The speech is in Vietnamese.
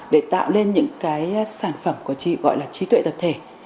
để tạo lên những cái sản phẩm của chị gọi là trí tuệ tập thể